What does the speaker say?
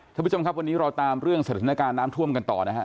ท่านผู้ชมครับวันนี้เราตามเรื่องสถานการณ์น้ำท่วมกันต่อนะฮะ